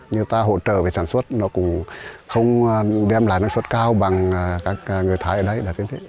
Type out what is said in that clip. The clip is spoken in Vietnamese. như ta hỗ trợ về sản xuất nó cũng không đem lại sản xuất cao bằng các người thái ở đấy là thế